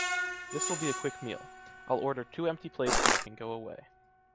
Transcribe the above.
This will be a quick meal. I’ll order two empty plates and we can go away.